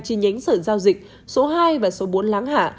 chi nhánh sở giao dịch số hai và số bốn láng hạ